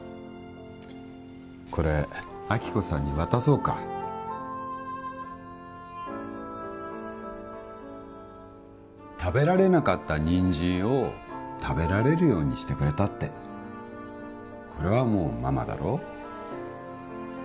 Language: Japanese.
これ亜希子さんに渡そうか食べられなかったニンジンを食べられるようにしてくれたってこれはもうママだろ？